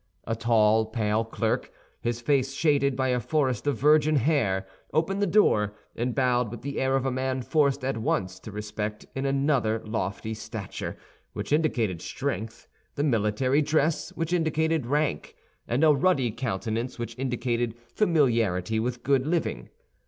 A tall, pale clerk, his face shaded by a forest of virgin hair, opened the door, and bowed with the air of a man forced at once to respect in another lofty stature, which indicated strength, the military dress, which indicated rank, and a ruddy countenance, which indicated familiarity with good living.